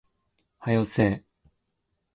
早よせえ